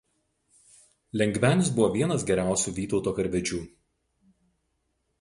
Lengvenis buvo vienas geriausių Vytauto karvedžių.